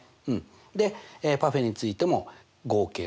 でパフェについても合計６。